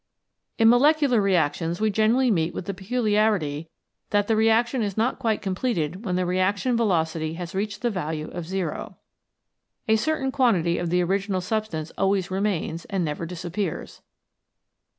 In molecular reactions we generally meet with the peculiarity that the reaction is not quite com pleted when the reaction velocity has reached the value of O. A certain quantity of the original substance always remains and never disappears.